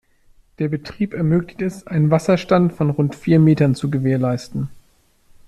Der Betrieb ermöglicht es, einen Wasserstand von rund vier Metern zu gewährleisten.